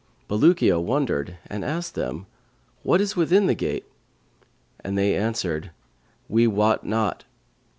Bulukiya wondered and asked them, 'What is within the gate?'; and they answered, 'We wot not.'